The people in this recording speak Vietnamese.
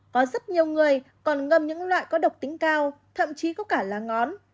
có rất nhiều người còn ngâm những loại có độc tính cao thậm chí có cả lá ngón